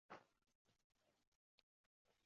Agar ko`proq bo`lsa bir necha dona ber asqotib qoladi